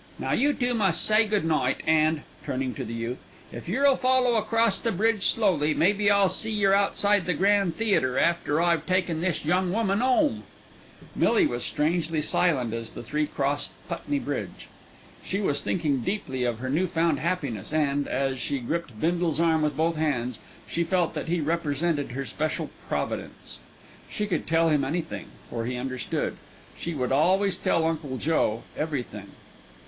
"Now you two must say good night; and," turning to the youth, "if yer'll follow across the bridge slowly, maybe I'll see yer outside the Grand Theatre after I've taken this young woman 'ome." Millie was strangely silent as the three crossed Putney Bridge. She was thinking deeply of her new found happiness and, as she gripped Bindle's arm with both hands, she felt that he represented her special Providence. She could tell him anything, for he understood. She would always tell Uncle Joe everything.